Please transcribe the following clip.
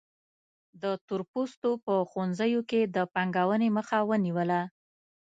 د تور پوستو په ښوونځیو کې د پانګونې مخه ونیوله.